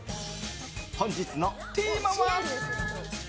本日のテーマは？